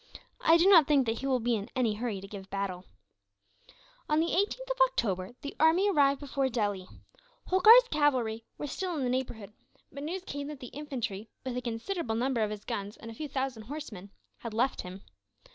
I do not think that he will be in any hurry to give battle." On the 18th of October, the army arrived before Delhi. Holkar's cavalry were still in the neighbourhood; but news came that the infantry, with a considerable number of his guns and a few thousand horsemen, had left him.